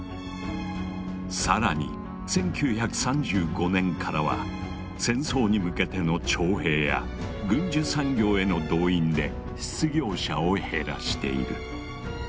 更に１９３５年からは戦争に向けての徴兵や軍需産業への動員で失業者を減らしている。